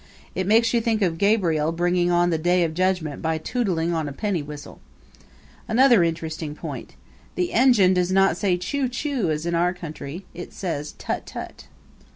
It makes you think of Gabriel bringing on the Day of Judgment by tootling on a penny whistle. Another interesting point: The engine does not say Choo choo as in our country it says Tut tut.